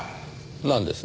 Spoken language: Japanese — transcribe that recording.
なんです？